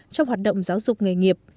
trong hoạt động giáo dục nghề nghiệp